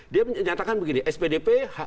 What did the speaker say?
dia menyatakan begini spdp